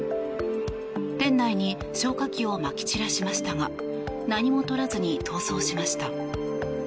店内に消火器をまき散らしましたが何も取らずに逃走しました。